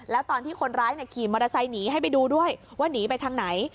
แล้วตอนที่คนร้ายขี่มอเตอร์ไซค์หนีให้ไปดูด้วยว่าหนีไปทางไหน